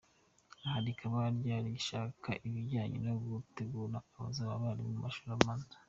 Aha rikaba ryarigishaga ibijyanye no gutegura abazaba abarimu mu mashuri abanza.